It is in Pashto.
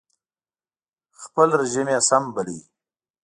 خپل رژیم یې سم باله